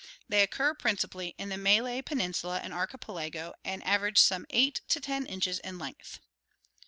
They occur principally in the Malay Peninsula and Archipelago and average some 8 to 10 inches in length.